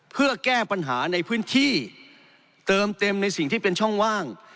เพื่อแก้ปัญหาในพื้นที่เติมเต็มในสิ่งที่เป็นช่องว่าง